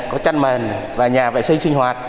có chăn mền và nhà vệ sinh sinh hoạt